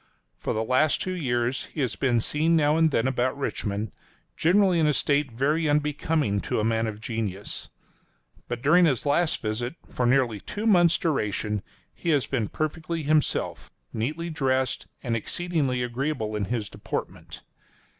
For the last two years he has been seen now and then about Richmond, generally in a state very unbecoming to a man of genius. But during his last visit, for nearly two months' duration, he has been perfectly himself, neatly dressed, and exceedingly agreeable in his deportment.